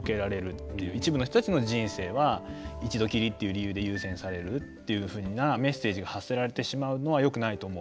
一部の人たちの人生は一度きりという理由で優先されるっていうふうなメッセージが発せられてしまうのはよくないと思う。